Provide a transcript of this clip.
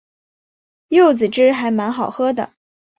柚子汁还蛮好喝的